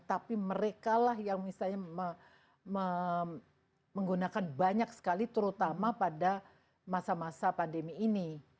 tapi mereka lah yang misalnya menggunakan banyak sekali terutama pada masa masa pandemi ini